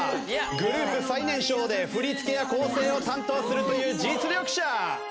グループ最年少で振り付けや構成を担当するという実力者！